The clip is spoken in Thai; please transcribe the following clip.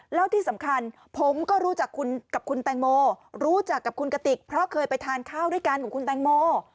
แล้วที่สำคัญผมก็รู้จักกับคุณแตงโมรู้จักกับคุณกติกเพราะเคยไปทานข้าวด้วยกันกับคุณแตงโม